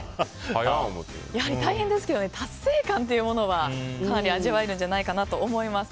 大変ですけど達成感というものはかなり味わえるんじゃないかなと思います。